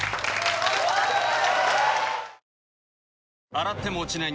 洗っても落ちない